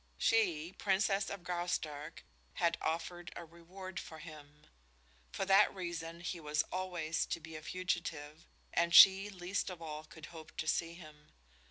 She, Princess of Graustark, had offered a reward for him. For that reason he was always to be a fugitive, and she least of all could hope to see him.